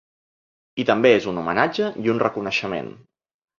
I també és un homenatge i un reconeixement.